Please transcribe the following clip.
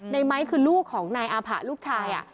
ไม้คือลูกของนายอาผะลูกชาย